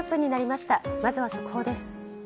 まずは速報です。